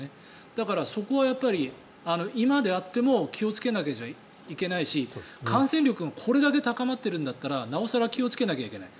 だからそこはやっぱり今であっても気をつけなくてはいけないし感染力がこれだけ高まっているんだったらなお更気をつけなきゃいけない。